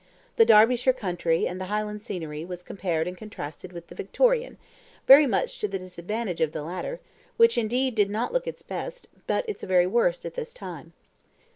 The Derbyshire country and the Highland scenery was compared and contrasted with the Victorian, very much to the disadvantage of the latter, which, indeed, did not look its best, but its very worst at this time.